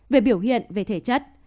về biểu hiện về thể chất